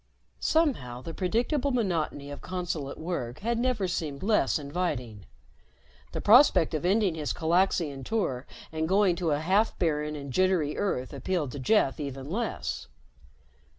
Somehow the predictable monotony of consulate work had never seemed less inviting. The prospect of ending his Calaxian tour and going back to a half barren and jittery Earth appealed to Jeff even less.